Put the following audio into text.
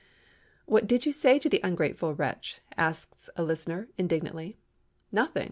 '" "What did you say to the ungrateful wretch?" asks a listener, indignantly. "Nothing.